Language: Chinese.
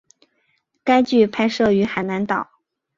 该剧拍摄于海南岛。